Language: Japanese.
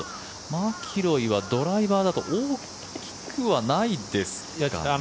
マキロイはドライバーだと大きくはないですかね。